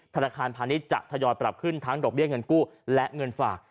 ธนาคารพาณิชย์จะทยอยปรับขึ้นทั้งดอกเบี้ยเงินกู้และเงินฝาก